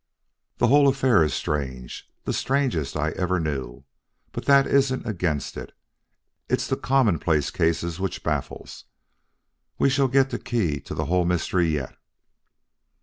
"The whole affair is strange the strangest I ever knew. But that isn't against it. It's the commonplace case which baffles. We shall get the key to the whole mystery yet."